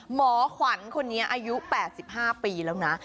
หมอขวัญคนนี้อายุ๘๕ปีแล้วนะ